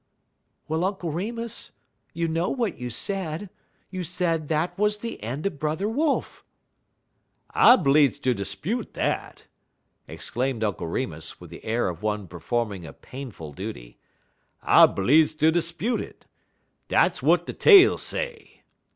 "Well, Uncle Remus, you know what you said. You said that was the end of Brother Wolf." "I bleedz ter 'spute dat," exclaimed Uncle Remus, with the air of one performing a painful duty; "I bleedz ter 'spute it. Dat w'at de tale say.